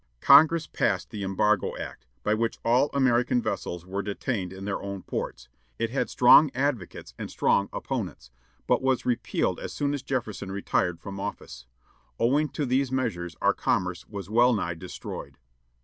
Congress passed the Embargo Act, by which all American vessels were detained in our own ports. It had strong advocates and strong opponents, but was repealed as soon as Jefferson retired from office. Owing to these measures our commerce was well nigh destroyed.